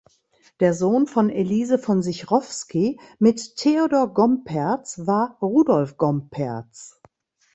Der Sohn von Elise von Sichrovsky mit Theodor Gomperz war Rudolf Gomperz.